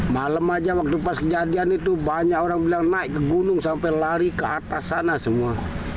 malam aja waktu pas kejadian itu banyak orang bilang naik ke gunung sampai lari ke atas sana semua